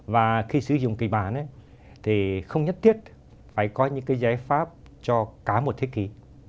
và khi sử dụng kịch bản thì không nhất thiết phải có những cái giải pháp cho cả một thế kỷ